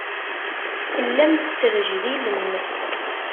Tellam tesrejdilem.